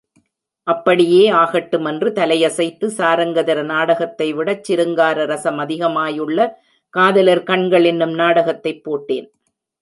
அப்படியே ஆகட்டும் என்று தலையசைத்து, சாரங்கதர நாடகத்தைவிடச் சிருங்கார ரசமதிகமாயுள்ள காதலர் கண்கள் என்னும் நாடகத்தைப் போட்டேன்!